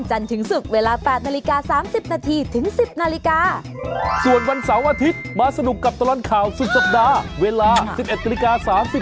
จนถึง๑๓นาฬิกา